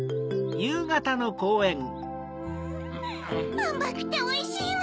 あまくておいしいわ！